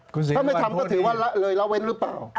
ถ้าไม่ทำก็ถือว่าละเลยละเว้นหรือเปล่า